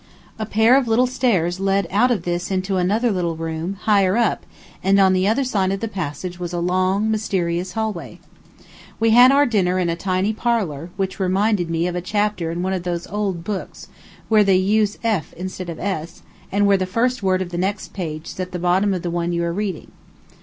A pair of little stairs led out of this into another little room, higher up, and on the other side of the passage was a long, mysterious hallway. We had our dinner in a tiny parlor, which reminded me of a chapter in one of those old books where they use f instead of s, and where the first word of the next page is at the bottom of the one you are reading.